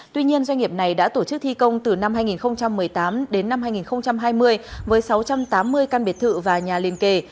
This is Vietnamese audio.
tuy nhiên doanh nghiệp này đã tổ chức thi công từ năm hai nghìn một mươi tám đến năm hai nghìn hai mươi với sáu trăm tám mươi căn biệt thự và nhà liên kề